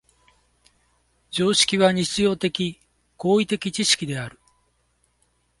常識は日常的・行為的知識である。